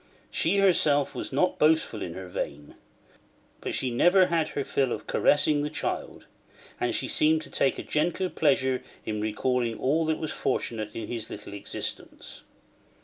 She herself was not boastful in her vein; but she never had her fill of caressing the child; and she seemed to take a gentle pleasure in recalling all that was fortunate in his little existence.